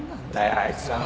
あいつらは。